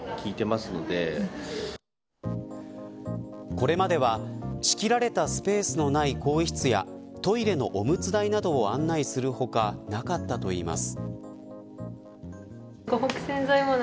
これまでは、仕切られたスペースのない更衣室やトイレのおむつ台を案内する他なかったといいます。